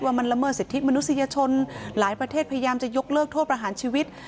ว่ามันละเมิดสิทธิมนุษยชนหลายประเทศพยายามจะยกเลิกโทษประหารชีวิต